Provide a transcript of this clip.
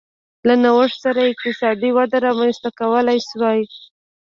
له نوښت پرته اقتصادي وده رامنځته کولای شوای